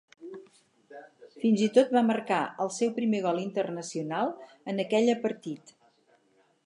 Fins i tot va marcar el seu primer gol internacional en aquella partit.